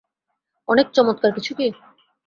অনেক চমৎকার কিছু কি?